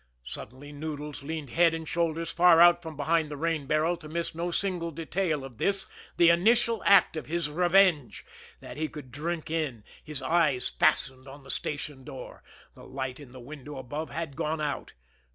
Suddenly Noodles leaned head and shoulders far out from behind the rain barrel to miss no single detail of this, the initial act of his revenge, that he could drink in, his eyes fastened on the station door the light in the window above had gone out.